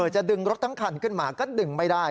จะดึงรถทั้งคันขึ้นมาก็ดึงไม่ได้